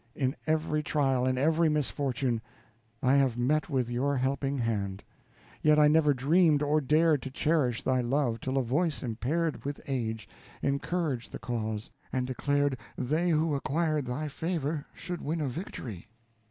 In every trial, in every misfortune, I have met with your helping hand; yet I never dreamed or dared to cherish thy love till a voice impaired with age encouraged the cause, and declared they who acquired thy favor should win a victory.